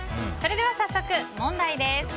では、早速問題です。